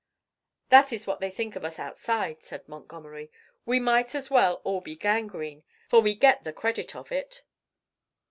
"That is what they think of us outside," said Montgomery. "We might as well all be gangrene, for we get the credit of it."